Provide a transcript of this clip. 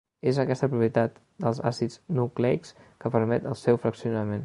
És aquesta propietat dels àcids nucleics que permet el seu fraccionament.